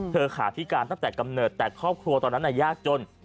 ขาพิการตั้งแต่กำเนิดแต่ครอบครัวตอนนั้นยากจน